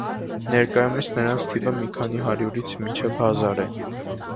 Ներկայումս նրանց թիվը մի քանի հարյուրից մինչև հազար է։